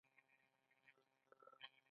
ایا ملا مو کړوسیږي؟